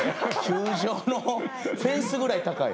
球場のフェンスぐらい高い。